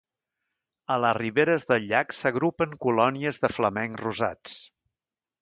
A les riberes del llac s'agrupen colònies de flamencs rosats.